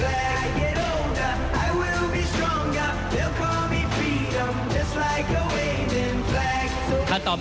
ท่านแรกครับจันทรุ่ม